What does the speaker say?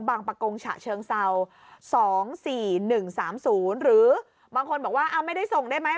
ประกงฉะเชิงเศร้า๒๔๑๓๐หรือบางคนบอกว่าไม่ได้ส่งได้ไหม